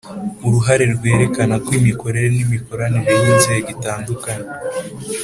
uruhare rwerekana ko imikorere n’imikoranire y’inzego idatunganye,